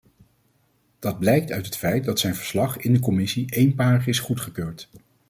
Dat blijkt uit het feit dat zijn verslag in de commissie eenparig is goedgekeurd.